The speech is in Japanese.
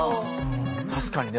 確かにね